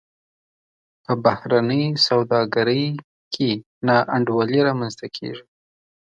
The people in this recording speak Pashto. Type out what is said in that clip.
په بهرنۍ سوداګرۍ کې نا انډولي رامنځته کیږي.